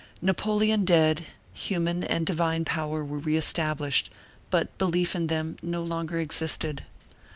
Napoleon dead, human and divine power were re established, but belief in them no longer existed.